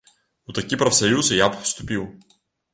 У такі прафсаюз і я б уступіў.